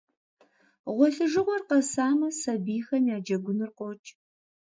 Гъуэлъыжыгъуэр къэсамэ, сабийхэм я джэгуныр къокӏ.